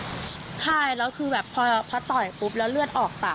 ใช่แล้วคือแบบพอต่อยปุ๊บแล้วเลือดออกปาก